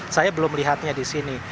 saya belum melihatnya di sini